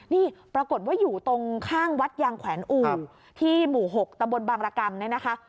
นี่ปรากฏว่าอยู่ตรงข้างวัดยางแขวนอู่ที่หมู่๖ตำบลบางรกรรมเนี่ยนะคะ